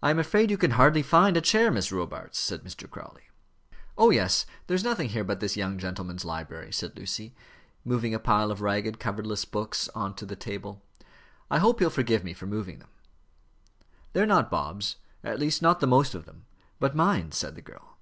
"I am afraid you can hardly find a chair, Miss Robarts," said Mr. Crawley. "Oh, yes; there is nothing here but this young gentleman's library," said Lucy, moving a pile of ragged, coverless books on to the table. "I hope he'll forgive me for moving them." "They are not Bob's, at least, not the most of them, but mine," said the girl.